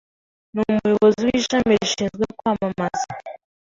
Ni umuyobozi w'ishami rishinzwe kwamamaza.